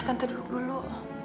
tante duduk dulu